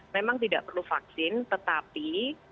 memang tidak perlu vaksin tetapi